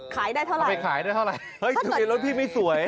ขายได้เท่าไหร่ถ้าเกิดถ้าเกิดทะเบียนรถพี่ไม่สวย